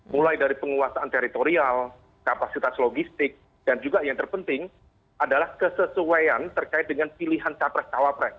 mulai dari penguasaan teritorial kapasitas logistik dan juga yang terpenting adalah kesesuaian terkait dengan pilihan capres cawapres